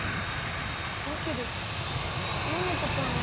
だけどモノコちゃんは。